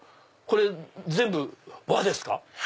これ全部和ですか？